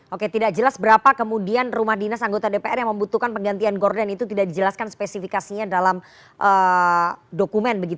oke tidak jelas berapa kemudian rumah dinas anggota dpr yang membutuhkan penggantian gordon itu tidak dijelaskan spesifikasinya dalam dokumen